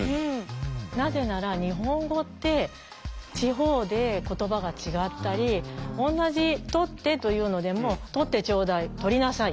なぜなら日本語って地方で言葉が違ったり同じ「取って」というのでも「取ってちょうだい」「取りなさい」